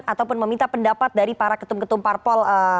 ataupun meminta pendapat dari para ketum ketum parpol